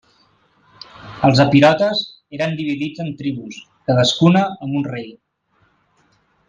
Els epirotes eren dividits en tribus, cadascuna amb un rei.